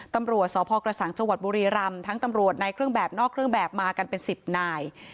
ตำรวจสพกระสังจังหวัดบุรีรำทั้งตำรวจในเครื่องแบบนอกเครื่องแบบมากันเป็น๑๐นาย